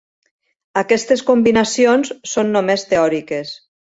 Aquestes combinacions són només teòriques.